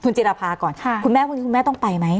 คุณเจรภาก่อนคุณแม่ต้องไปไหม